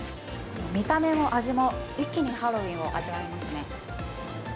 見た目も味も一気にハロウィーンを味わえますね。